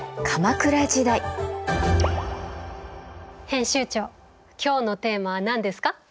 編集長今日のテーマは何ですか？